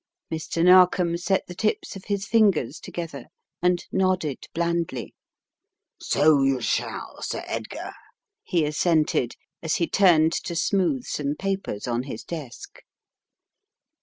Mr. Narkom set the tips of his fingers together and nodded blandly. "So you shall, Sir Edgar," he assented, as he turned to smooth some papers on his desk.